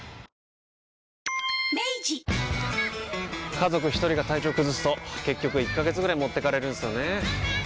家族一人が体調崩すと結局１ヶ月ぐらい持ってかれるんすよねー。